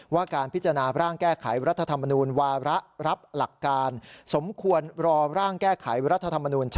การพิจารณาร่างแก้ไขรัฐธรรมนูญวาระรับหลักการสมควรรอร่างแก้ไขรัฐธรรมนูญ